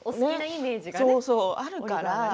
そうそう、あるから。